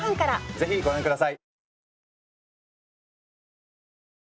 ぜひご覧下さい！